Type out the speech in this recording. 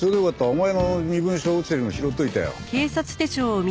お前の身分証落ちてるの拾っといたよ。